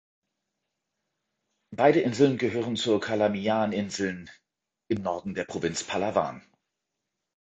Beide Inseln gehören zur Calamian-Inseln im Norden der Provinz Palawan.